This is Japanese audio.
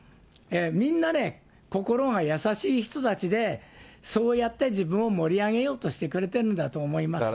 みんなね、心が優しい人たちで、そうやって自分を盛り上げようとしてくれてるんだと思います。